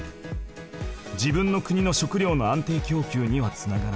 自分の国の食料の安定きょうきゅうにはつながらない。